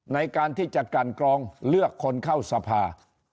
ในการที่จะกันกรองเลือกคนเข้าสภา